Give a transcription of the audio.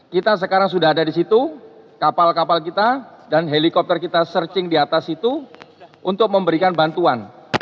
kita sekarang sudah ada di situ kapal kapal kita dan helikopter kita searching di atas itu untuk memberikan bantuan